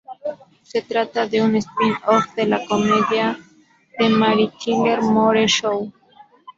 Se trata de un spin-off de la comedia "The Mary Tyler Moore Show".